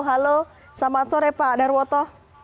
halo selamat sore pak darwoto